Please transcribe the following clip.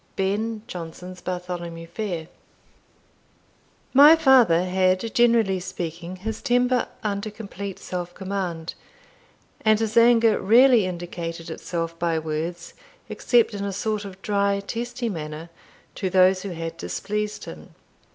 Ben Jonson's Bartholomew Fair. My father had, generally speaking, his temper under complete self command, and his anger rarely indicated itself by words, except in a sort of dry testy manner, to those who had displeased him.